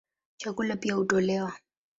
Chakula pia hutolewa.